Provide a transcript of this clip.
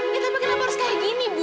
ya tapi kenapa harus kayak gini bu